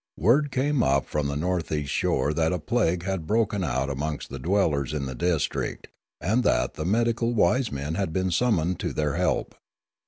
Word came up from the north east shore that a plague had broken out amongst the dwellers in the district, and that the medical wise men had been summoned to their help.